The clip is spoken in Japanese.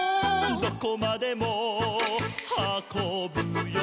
「どこまでもはこぶよ」